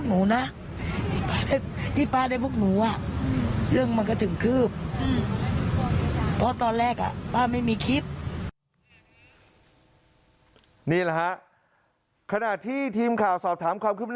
นี่แหละฮะขณะที่ทีมข่าวสอบถามความคืบหน้า